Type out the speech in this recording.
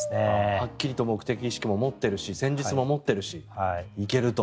はっきりと目的意識も持っているし戦術も持っているし、行けると。